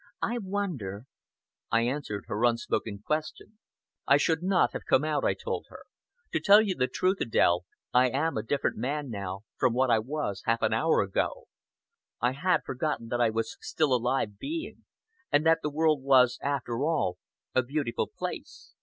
I wonder " I answered her unspoken question. "I should not have come out," I told her. "To tell you the truth, Adèle, I am a different man now from what I was half an hour ago. I had forgotten that I was still a live being, and that the world was, after all, a beautiful place.